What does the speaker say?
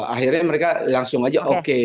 akhirnya mereka langsung aja oke